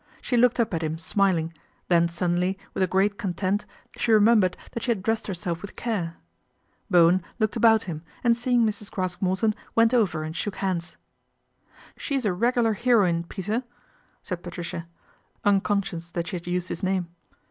She looked up at him smiling, then suddenly with a great content she remembered that she had I dressed herself with care. Bowen looked about him, and seeing Mrs. jCraske Morton, went over and shook hands. She's a regular heroine, Peter," said Patricia, mconscious that she had used his name.